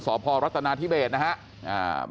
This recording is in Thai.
สพรัฐนาธิเบสนะครับ